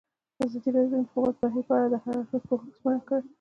ازادي راډیو د د انتخاباتو بهیر په اړه د هر اړخیز پوښښ ژمنه کړې.